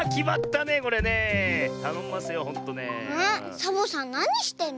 サボさんなにしてるの？